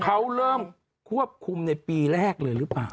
เขาเริ่มควบคุมในปีแรกเลยหรือเปล่า